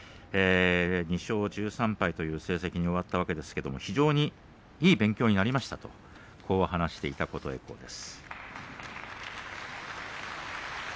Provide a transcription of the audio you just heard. ２勝１３敗という成績に終わったわけですけど非常にいい勉強になりましたと話していた琴恵光です。